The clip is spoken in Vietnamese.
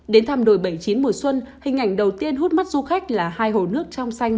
đến thăm đồi bảy mươi chín mùa xuân hình ảnh đầu tiên hút mắt du khách là hai hồ nước trong xanh